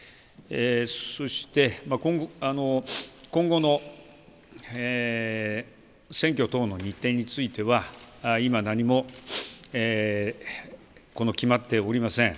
そして、今後の選挙等の日程については、今、何も決まっておりません。